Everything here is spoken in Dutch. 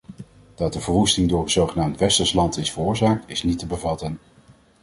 Dat de verwoesting door een zogenaamd westers land is veroorzaakt is niet te bevatten.